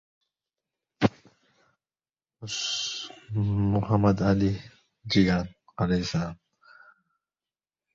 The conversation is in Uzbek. Qoʻshninikiga kirib, bor gapni aytishga qaror qildi